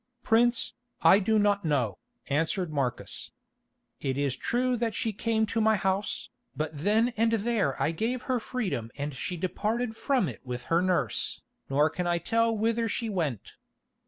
"Prince, I do not know," answered Marcus. "It is true that she came to my house, but then and there I gave her freedom and she departed from it with her nurse, nor can I tell whither she went."